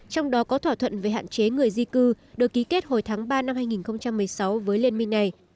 trong đó có thỏa thuận về hạn chế người di cư được ký kết hồi tháng ba năm hai nghìn một mươi sáu với liên minh này